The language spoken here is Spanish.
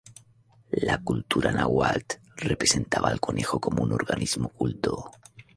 La cultura náhuatl representaba al conejo como un organismo culto.